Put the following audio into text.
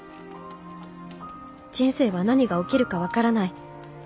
人生は何が起きるか分からない。